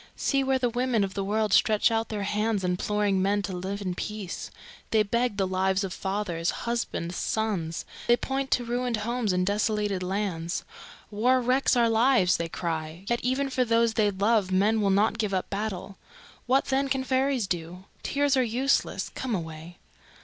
See where the women of the world stretch out their hands, imploring men to live in peace. They beg the lives of fathers, husbands, sons; they point to ruined homes and desolated lands. 'War wrecks our lives!' they cry. Yet even for those they love men will not give up battle. What, then, can fairies do? Tears are useless. Come away."